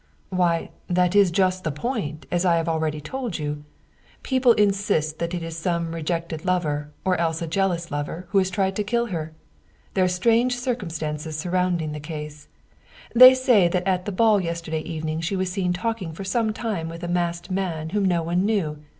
" Why, that is just the point, as I have already told you. People insist that it is some rejected lover, or else a jealous lover, who has tried to kill her. There are strange circum stances surrounding the case. They say that at the ball yesterday evening she was seen talking for some time with a masked man whom no one knew.